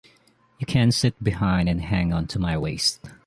You can sit behind and hang on to my waist.